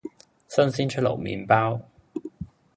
新鮮出爐麵包